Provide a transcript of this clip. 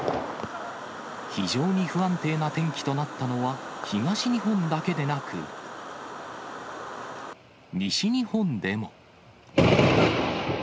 非常に不安定な天気となったのは東日本だけでなく、西日本でも。